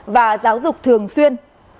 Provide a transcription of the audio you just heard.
và giáo dục thường xuyên